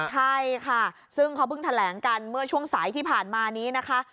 ใช่ค่ะซึ่งเขาเพิ่งแถลงกันเมื่อช่วงสายที่ผ่านมานี้นะคะ